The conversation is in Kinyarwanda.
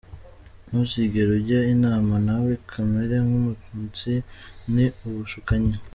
Ntuzigere ujya inama nawe kamere k’umututsi ni ubushukanyi.